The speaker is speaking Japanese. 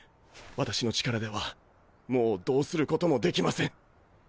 私の力ではもうどうすることもできません！！